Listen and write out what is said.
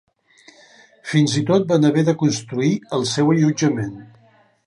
Fins i tot van haver de construir el seu allotjament.